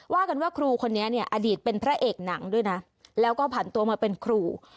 ว่ากันว่าครูคนนี้เนี่ยอดีตเป็นพระเอกหนังด้วยนะแล้วก็ผ่านตัวมาเป็นครู